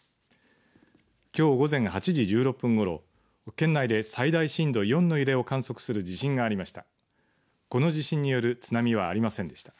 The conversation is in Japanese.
きょう午前８時１６分ごろ県内で最大震度４の揺れを観測する地震がありました。